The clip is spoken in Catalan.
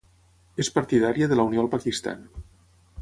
És partidària de la unió al Pakistan.